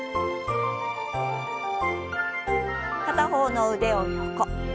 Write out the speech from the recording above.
片方の腕を横。